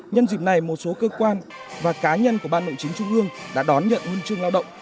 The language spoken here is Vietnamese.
nhân dịp này một số cơ quan và cá nhân của ban nội chính trung ương đã đón nhận huân chương lao động